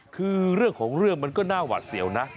คือเรื่องของเรื่องมันก็น่าหวัดเสียวนะ